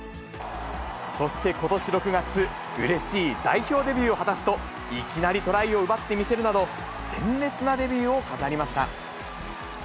そしてことし６月、うれしい代表デビューを果たすと、いきなりトライを奪ってみせるなど、鮮烈なデビューを飾りました。